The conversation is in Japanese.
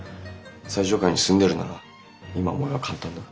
最上階に住んでるなら今思えば簡単だ。